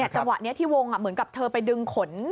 จังหวะนี้ที่วงเหมือนกับเธอไปดึงขน